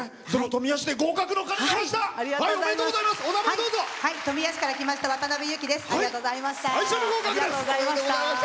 富谷市から来ましたわたなべです。